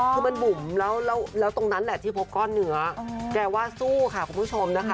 คือมันบุ๋มแล้วตรงนั้นแหละที่พบก้อนเนื้อแกว่าสู้ค่ะคุณผู้ชมนะคะ